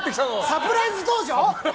サプライズ登場？